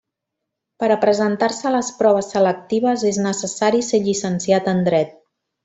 Per a presentar-se a les proves selectives és necessari ser llicenciat en Dret.